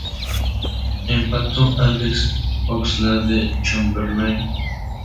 Empató Alex Oxlade-Chamberlain.